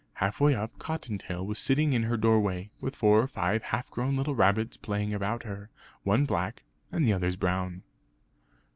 Half way up, Cottontail was sitting in her doorway, with four or five half grown little rabbits playing about her; one black and the others brown.